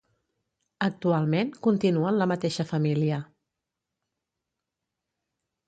Actualment continua en la mateixa família.